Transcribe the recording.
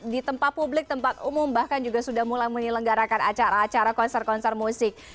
di tempat publik tempat umum bahkan juga sudah mulai menyelenggarakan acara acara konser konser musik